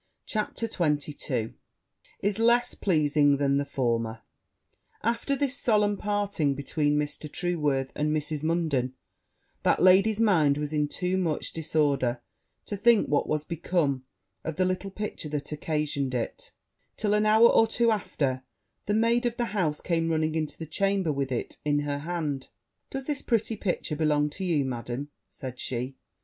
CHAPTER XXII Is less pleasing than the former After this solemn parting between Mr. Trueworth and Mrs. Munden, that lady's mind was in too much disorder to think what was become of the little picture that had occasioned it; till, an hour or two after, the maid of the house came running into the chamber with it in her hand. 'Does this pretty picture belong to you, Madam?' said she.